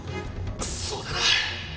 そうだな。